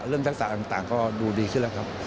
ทักษะต่างก็ดูดีขึ้นแล้วครับ